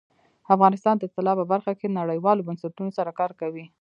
افغانستان د طلا په برخه کې نړیوالو بنسټونو سره کار کوي.